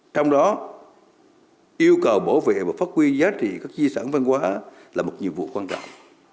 trong đó yêu cầu bảo vệ và phát huy giá trị các di sản văn hóa là một nhiệm vụ quan trọng